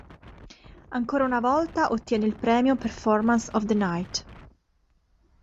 Ancora una volta ottiene il premio "Performance of the Night".